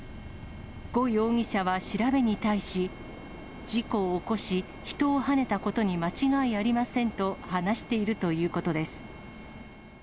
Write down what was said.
呉容疑者は調べに対し、事故を起こし、人をはねたことに間違いありませんと話しているということです。